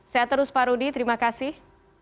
saya terus pak rudi terima kasih